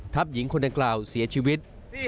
หญิงคนดังกล่าวเสียชีวิต